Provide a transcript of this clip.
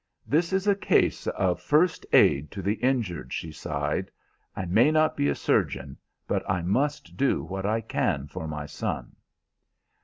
"This is a case of first aid to the injured," she sighed. "I may not be a surgeon, but I must do what I can for my son."